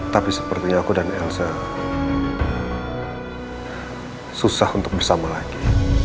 tapi seperti aku dan elsa susah untuk bersama lagi